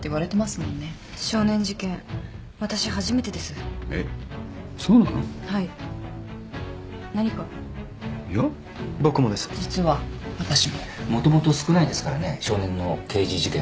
もともと少ないですからね少年の刑事事件は。